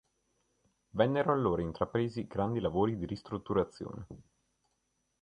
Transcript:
Vennero allora intrapresi grandi lavori di ristrutturazione.